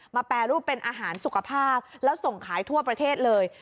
แปรรูปเป็นอาหารสุขภาพแล้วส่งขายทั่วประเทศเลย